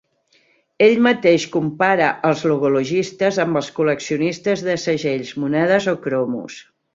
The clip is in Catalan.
Ell mateix compara els "logologistes" amb els col·leccionistes de segells, monedes o cromos.